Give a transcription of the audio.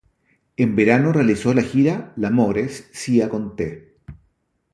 En verano realizó la gira L'amore sia con te.